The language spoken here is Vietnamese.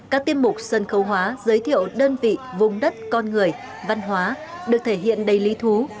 các tiêm mục sân khấu hóa giới thiệu đơn vị vùng đất con người văn hóa được thể hiện đầy lý thú